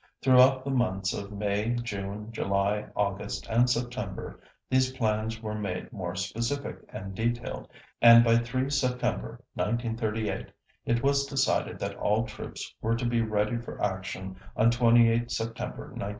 Throughout the months of May, June, July, August, and September, these plans were made more specific and detailed, and by 3 September 1938, it was decided that all troops were to be ready for action on 28 September 1938.